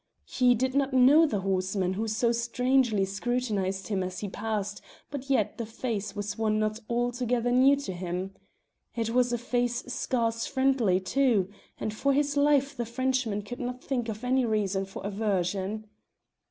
He did not know the horseman who so strangely scrutinised him as he passed, but yet the face was one not altogether new to him. It was a face scarce friendly, too, and for his life the Frenchman could not think of any reason for aversion.